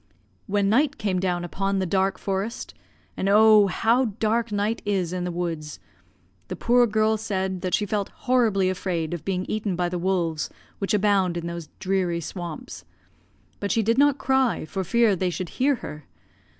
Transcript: "When night came down upon the dark forest (and oh how dark night is in the woods!), the poor girl said, that she felt horribly afraid of being eaten by the wolves which abound in those dreary swamps. But she did not cry, for fear they should hear her.